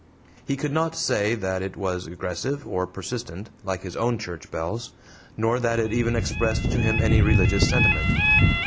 He could not say that it was aggressive or persistent, like his own church bells, nor that it even expressed to him any religious sentiment.